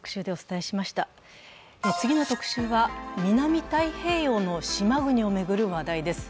次の特集は南太平洋の島国を巡る話題です。